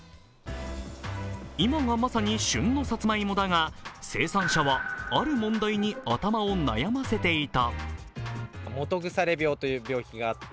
今がまさに旬のさつまいもだが生産者は、ある問題に頭を悩ませていた。